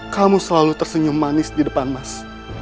kamu selalu tersenyum manis di depan mas